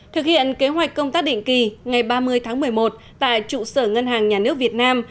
thực hiện kế hoạch công tác định kỳ ngày ba mươi tháng một mươi một tại trụ sở ngân hàng nhà nước việt nam